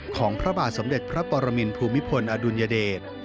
พระบาทสมเด็จพระปรมินภูมิพลอดุลยเดช